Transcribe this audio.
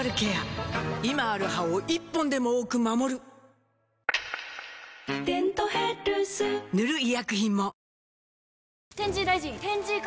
今ある歯を１本でも多く守る「デントヘルス」塗る医薬品も